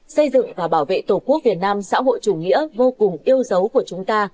xây dựng và bảo vệ tổ quốc việt nam xã hội chủ nghĩa vô cùng yêu dấu của chúng ta